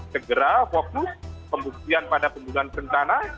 segera fokus pembuktian pada kemudian rencana